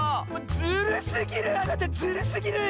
ズルすぎるあなたズルすぎる！